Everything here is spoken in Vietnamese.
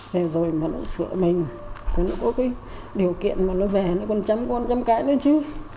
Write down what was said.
rồi mà nó sửa mình còn nó có cái điều kiện mà nó về nó còn chăm con chăm cái nữa chứ